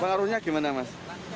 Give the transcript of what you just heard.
pengaruhnya gimana mas